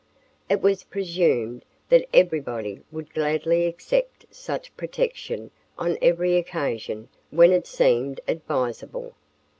It was presumed that everybody would gladly accept such protection on every occasion when it seemed advisable.